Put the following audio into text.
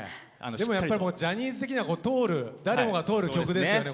でもやっぱりジャニーズ的には誰もが通る曲ですよね。